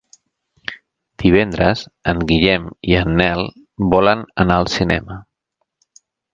Divendres en Guillem i en Nel volen anar al cinema.